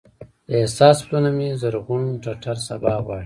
د احساس پلونه مې زرغون ټټر سبا غواړي